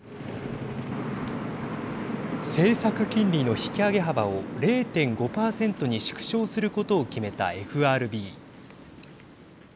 政策金利の引き上げ幅を０．５％に縮小することを決めたＦＲＢ。